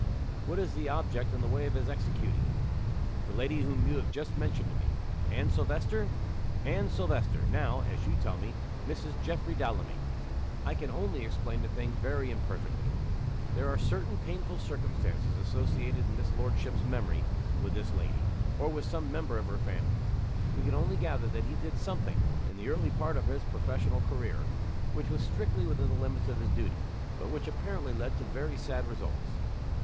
"What is the object in the way of his executing it?" "The lady whom you have just mentioned to me." "Anne Silvester!" "Anne Silvester now (as you tell me) Mrs. Geoffrey Delamayn. I can only explain the thing very imperfectly. There are certain painful circumstances associated in his lordship's memory with this lady, or with some member of her family. We can only gather that he did something in the early part of his professional career which was strictly within the limits of his duty, but which apparently led to very sad results.